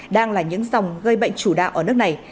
đang là những dòng gây bệnh chủ đạo ở nước này